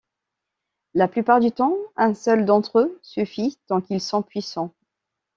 La plupart du temps, un seul d’entre eux suffit, tant ils sont puissants.